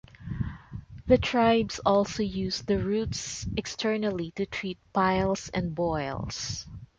The tribes also used the roots externally to treat piles and boils.